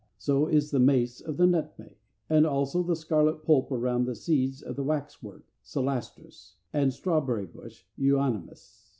So is the mace of the nutmeg; and also the scarlet pulp around the seeds of the Waxwork (Celastrus) and Strawberry bush (Euonymus).